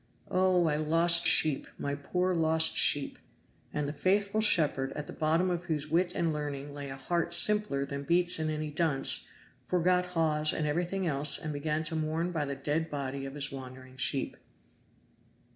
Oh, my lost sheep! my poor lost sheep!" And the faithful shepherd, at the bottom of whose wit and learning lay a heart simpler than beats in any dunce, forgot Hawes and everything else and began to mourn by the dead body of his wandering sheep.